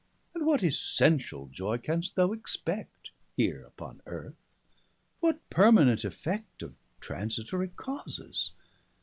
And what essentiall joy can'st thou expect Here upon earth? what permanent effect Of transitory causes?